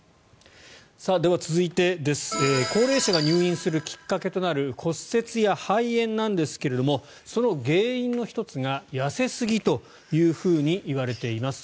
では、続いて高齢者が入院するきっかけとなる骨折や肺炎ですがその原因の１つが痩せすぎといわれています。